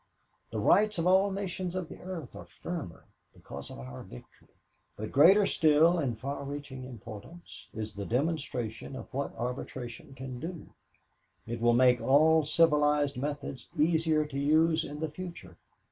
The rights of all nations of the earth are firmer because of our victory. But greater still in far reaching importance is the demonstration of what arbitration can do. It will make all civilized methods easier to use in the future.